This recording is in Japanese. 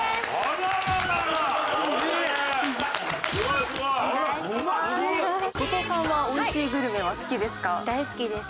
後藤さんは美味しいグルメは好きですか？